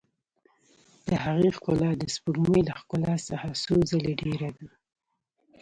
د هغې ښکلا د سپوږمۍ له ښکلا څخه څو ځلې ډېره ده.